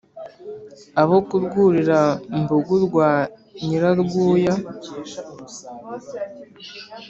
abo ku rwurira mbugu rwa nyirarwuya